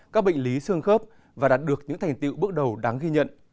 các bệnh lý xương khớp và đạt được những thành tiệu bước đầu đáng ghi nhận